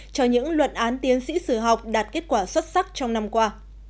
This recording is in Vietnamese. cho những luận án tiến sĩ sử học đạt kết quả xuất sắc trong năm qua